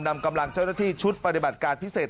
นำกำลังเจ้าหน้าที่ชุดปฏิบัติการพิเศษ